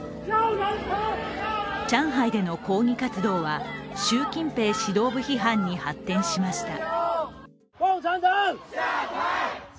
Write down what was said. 上海での抗議活動は習近平指導部批判に発展しました。